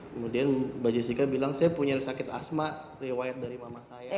kemudian mbak jessica bilang saya punya sakit asma riwayat dari mama saya